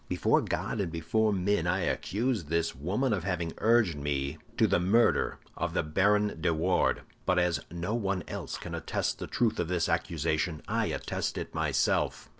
"Before God and before men, I accuse this woman of having urged me to the murder of the Baron de Wardes; but as no one else can attest the truth of this accusation, I attest it myself.